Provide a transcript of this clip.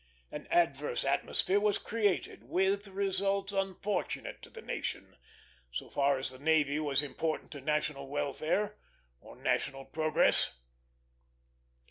An adverse atmosphere was created, with results unfortunate to the nation, so far as the navy was important to national welfare or national progress.